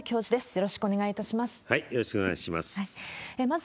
よろしくお願いします。